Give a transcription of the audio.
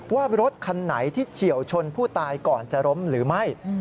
ว่ารถคันไหนที่เฉียวชนผู้ตายก่อนจะล้มหรือไม่